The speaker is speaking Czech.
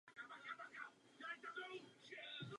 Význam jména lze tedy volně přeložit jako „malá bojovnice“.